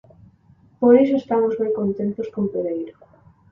Por iso estamos moi contentos con Pereiro.